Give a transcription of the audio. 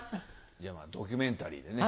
じゃあドキュメンタリーでね。